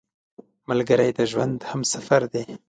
ملګری د ژوند همسفر دی